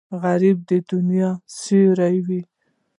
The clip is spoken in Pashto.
غریب د دنیا سیوری وي